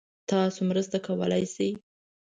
تاسو مرسته کولای شئ؟